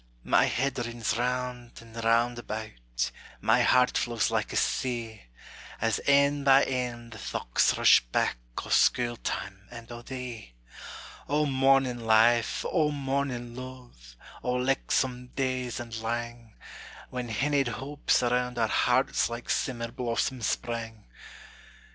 My head rins round and round about, My heart flows like a sea, As ane by ane the thochts rush back O' scule time, and o' thee. O mornin' life! O mornin' luve! O lichtsome days and lang, When hinnied hopes around our hearts Like simmer blossoms sprang!